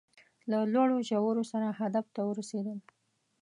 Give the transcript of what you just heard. له لوړو ژورو سره هدف ته ورسېدل